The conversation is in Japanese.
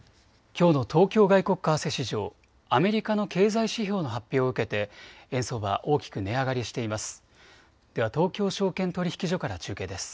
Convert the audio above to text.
きょうの東京外国為替市場、アメリカの経済指標の発表を受けて円相場は大きく値上がりしています。